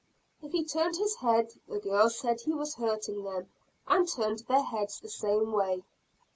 If he turned his head, the girls said he was hurting them and turned their heads the same way.